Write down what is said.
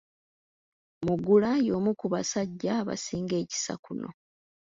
Mugula y'omu ku basajja abasinga ekisa kuno.